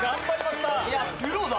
いや、プロだ！